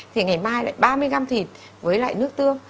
thì ngày mai lại ba mươi găm thịt với lại nước tương